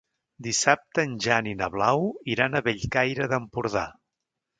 Dissabte en Jan i na Blau iran a Bellcaire d'Empordà.